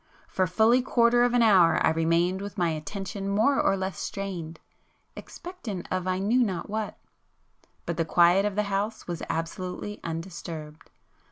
For fully quarter of an hour I remained with my attention more or less strained, expectant of I knew not what; but the quiet of the house was absolutely undisturbed.